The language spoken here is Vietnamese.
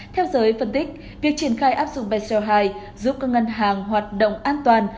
theo giới phân tích việc triển khai áp dụng bseo hai giúp các ngân hàng hoạt động an toàn